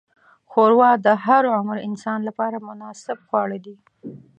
ښوروا د هر عمر انسان لپاره مناسب خواړه ده.